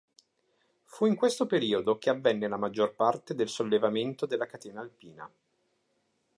Fu in questo periodo che avvenne la maggior parte del sollevamento della catena alpina.